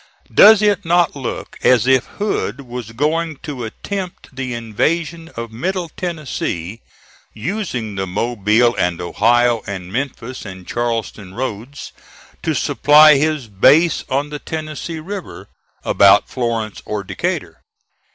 Does it not look as if Hood was going to attempt the invasion of Middle Tennessee, using the Mobile and Ohio and Memphis and Charleston roads to supply his base on the Tennessee River, about Florence or Decatur?